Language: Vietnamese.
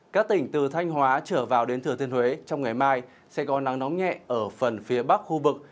các tỉnh từ thanh hóa trở vào đến thừa thiên huế trong ngày mai sẽ có nắng nóng nhẹ ở phần phía bắc khu vực